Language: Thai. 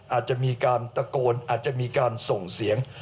อาจจะมีการตะโกนอาจจะมีการส่งเสียง